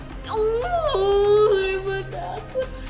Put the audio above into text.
aduh gue takut